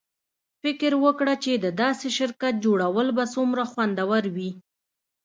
فکر وکړه چې د داسې شرکت جوړول به څومره خوندور وي